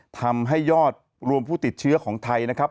ทำให้ยอดรวมผู้ติดเชื้อของไทยนะครับ